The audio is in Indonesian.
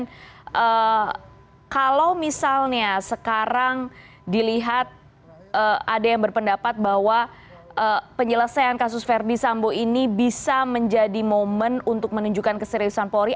dan kalau misalnya sekarang dilihat ada yang berpendapat bahwa penyelesaian kasus ferdis sambo ini bisa menjadi momen untuk menunjukkan keseriusan polri